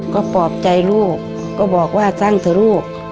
ก็ปลอบใจลูกก็บอกว่าสร้างเถอะลูก